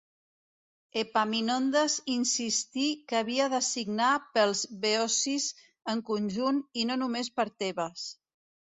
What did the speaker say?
Epaminondes insistí que havia de signar pels beocis en conjunt, i no només per Tebes.